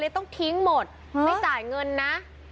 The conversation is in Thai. ต้องทิ้งหมดไม่จ่ายเงินนะ